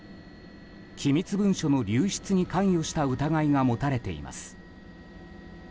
機密文書の流出に関与した疑いが持たれています。